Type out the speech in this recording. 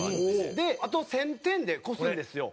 であと１０００点で越すんですよ。